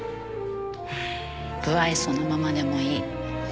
無愛想のままでもいい。